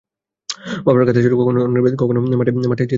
বাবার কাঁধে চড়ে কখনো অন্যের বাড়িতে, কখনো মাঠে যেতেন খেলা দেখতে।